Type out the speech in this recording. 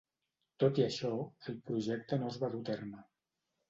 Tot i això, el projecte no es va dur a terme.